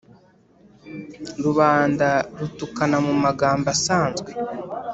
rubanda rutukana mu magambo asanzwe,